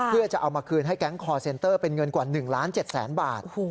เพื่อจะเอามาคืนให้แก๊งคอร์เซ็นเตอร์เป็นเงินกว่า๑ล้าน๗แสนบาท